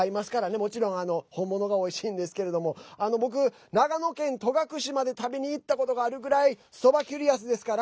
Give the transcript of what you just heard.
もちろん本物がおいしいんですけれども僕、長野県戸隠まで旅に行ったことがあるぐらいＳｏｂａ−ｃｕｒｉｏｕｓですから。